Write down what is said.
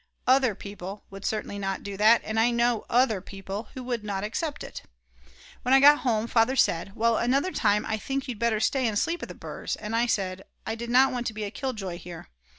Other people would certainly not do that, and I know other people who wouldn't accept it. When I got home, Father said: Well, another time I think you'd better stay and sleep at the Brs., and I said: I did not want to be a killjoy here.